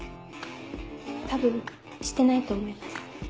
多分してないと思います。